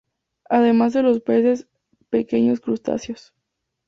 Además de los peces, pequeños crustáceos.